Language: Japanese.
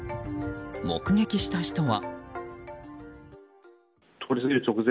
目撃した人は。